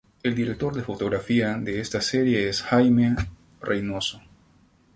El director de fotografía de esta serie es Jaime Reynoso.